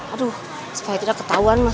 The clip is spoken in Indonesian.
aduh supaya tidak ketahuan mas